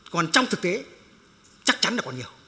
còn trong thực tế chắc chắn là còn nhiều